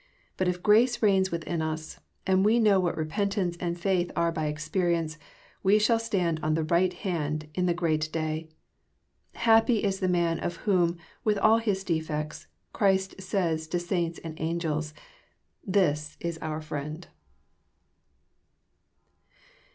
But if grace reigns within us, and we know what repentance and faith are by experience, we shall stand on the right hand in the great day. Happy is the man of whom, with all his defects, Christ says to saints and angels, " This is our friend."